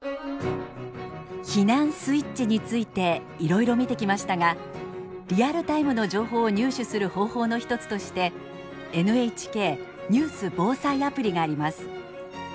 避難スイッチについていろいろ見てきましたがリアルタイムの情報を入手する方法の一つとしてＮＨＫニュース防災アプリがあります。